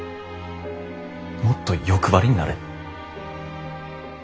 もっと欲張りになれ。